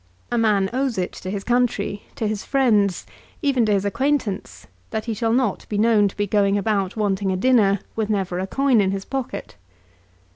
A man owes it to his country, to his friends, even to his acquaintance, that he shall not be known to be going about wanting a dinner, with never a coin in his pocket.